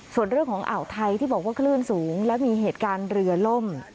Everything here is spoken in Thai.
ส่วนเรื่องของอ่าวไทยที่บอกว่าคลื่นสูงและมีเหตุการณ์เรือล่ม